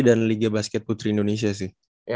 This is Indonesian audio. dan liga basket putri indonesia sih